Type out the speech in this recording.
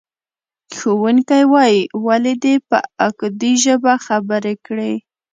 ښوونکی وایي، ولې دې په اکدي ژبه خبرې کړې؟